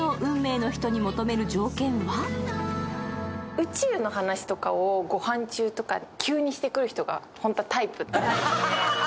宇宙の話とか御飯中とか急にしてくる人とかが本当はタイプです。